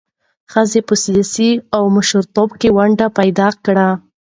ښځې په سیاست او مشرتابه کې ونډه پیدا کړه.